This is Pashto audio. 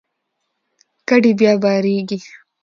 کډې بیا بارېږي.